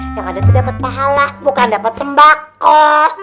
yang ada tuh dapet pahala bukan dapet sembako